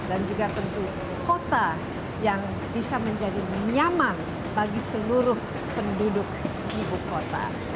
dan juga tentu kota yang bisa menjadi nyaman bagi seluruh penduduk ibu kota